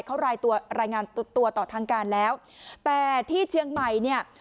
เขารายตัวรายงานตัวต่อทางการแล้วแต่ที่เชียงใหม่เนี่ย